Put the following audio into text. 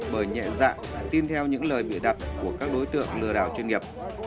bởi nhẹ dạ tin theo những lời bịa đặt của các đối tượng lừa đảo chuyên nghiệp